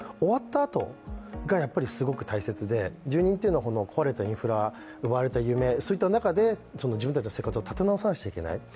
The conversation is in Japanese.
あとがすごく大切で、住人っていうのは壊れたインフラ、奪われた夢、そういった中で自分たちの生活を立て直さなくちゃいけない。